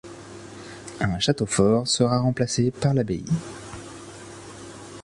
Un château-fort sera remplacé par l'abbaye.